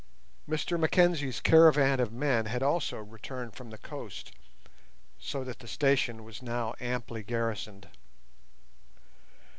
Mr Mackenzie's caravan of men had also returned from the coast, so that the station was now amply garrisoned.